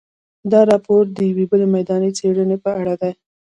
دا راپور د یوې بلې میداني څېړنې په اړه دی.